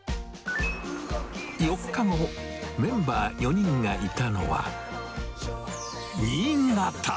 ４日後、メンバー４人がいたのは、新潟。